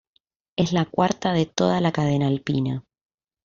Es la cuarta de toda la cadena alpina.